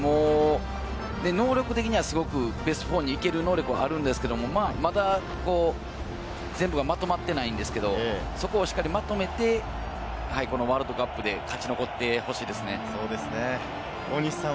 能力的には、すごくベスト４に行ける能力はあるんですけれども、全部がまとまっていないんですけれども、そこをしっかりまとめてワールドカップで勝ち残ってほしいですね。